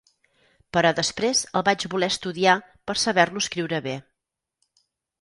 Però després el vaig voler estudiar per saber-lo escriure bé.